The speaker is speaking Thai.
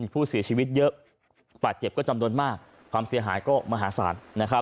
ผู้เสียชีวิตเยอะบาดเจ็บก็จำนวนมากความเสียหายก็มหาศาล